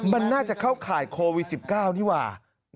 มันน่าจะเข้าข่ายโควิด๑๙นี่ว่า